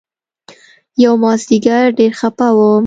يومازديگر ډېر خپه وم.